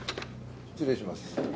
失礼します。